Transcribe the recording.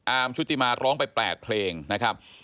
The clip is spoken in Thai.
ชุติมาร้องไป๘เพลงนะครับ